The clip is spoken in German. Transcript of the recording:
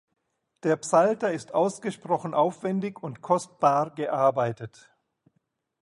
Der Psalter ist ausgesprochen aufwendig und kostbar gearbeitet.